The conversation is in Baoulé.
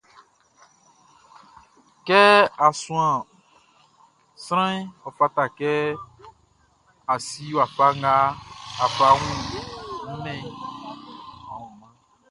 Kɛ á súan sranʼn, ɔ fata kɛ a si wafa nga á fá ɔ wun mánʼn.